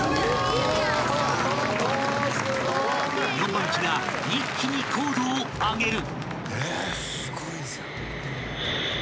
［４番機が一気に高度を上げる］